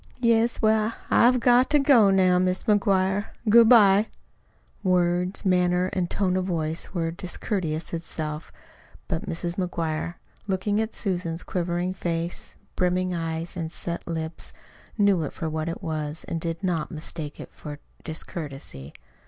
"Yes. Well, I've got to go in now, Mis' McGuire. Good bye." Words, manner, and tone of voice were discourtesy itself; but Mrs. McGuire, looking at Susan's quivering face, brimming eyes, and set lips, knew it for what it was and did not mistake it for discourtesy.